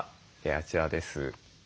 あちらです。